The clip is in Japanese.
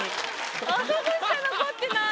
あそこしか残ってない。